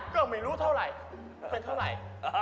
ก็ไม่รู้เท่าไหร่เป็นเท่าไหร่